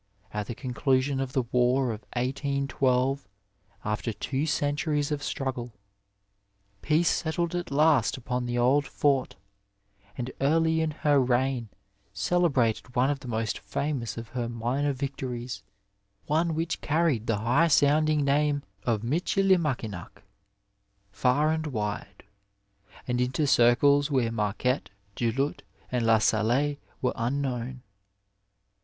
At the conclusion of the war of 1812, after two centuries of struggle, peace settled at last upon the old fort, and 118 Digitized by VjOOQiC THE ABMT SURGEON early in her reign celebrated one of the most famous of her minor victories, one which carried the high sounding name of Michilimackinac far and wide, and into circles where Marquette, Du Lhut and La Salle were unknown.